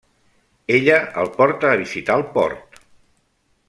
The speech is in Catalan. Ella el porta a visitar el port.